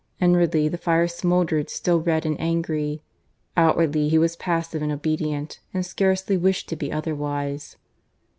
Inwardly the fire smouldered still red and angry; outwardly he was passive and obedient, and scarcely wished to be otherwise.